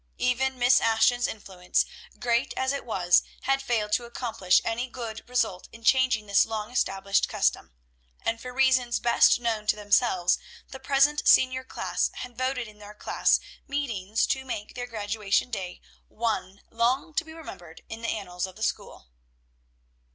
Even Miss Ashton's influence, great as it was, had failed to accomplish any good result in changing this long established custom; and for reasons best known to themselves, the present senior class had voted in their class meetings to make their graduation day one long to be remembered in the annals of the school.